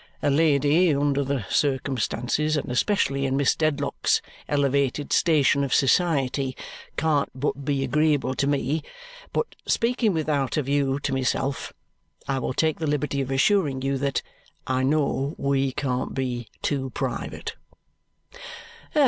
A lady, under the circumstances, and especially in Miss Dedlock's elevated station of society, can't but be agreeable to me, but speaking without a view to myself, I will take the liberty of assuring you that I know we can't be too private."